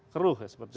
keruh seperti itu